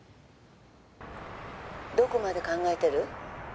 「どこまで考えてる？」